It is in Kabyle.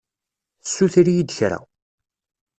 Tessuter-iyi-d kra.